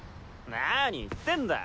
なに言ってんだ！